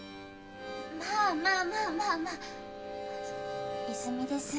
まあまあまあまあいづみです。